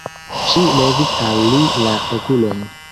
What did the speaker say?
Ŝi levis al li la okulojn.